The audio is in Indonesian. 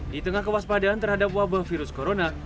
di tengah kewaspadaan terhadap wabah virus corona